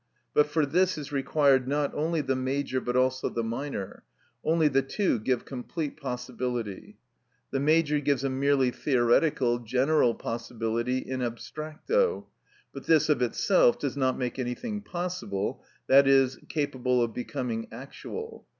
But for this is required not only the major but also the minor; only the two give complete possibility. The major gives a merely theoretical, general possibility in abstracto, but this of itself does not make anything possible, i.e., capable of becoming actual.